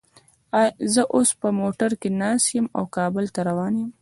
زه اوس په موټر کې ناست یم او کابل ته روان یم